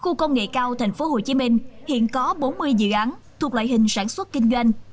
khu công nghệ cao tp hcm hiện có bốn mươi dự án thuộc loại hình sản xuất kinh doanh